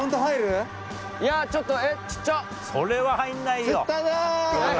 それは入んないよ。